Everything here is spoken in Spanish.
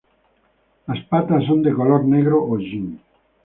Las patas son de color negro hollín.